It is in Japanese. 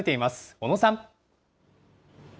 小野さん。